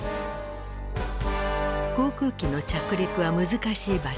航空機の着陸は難しい場所。